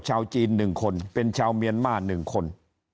ชาวจีนหนึ่งคนเป็นชาวเมียนม่าหนึ่งคน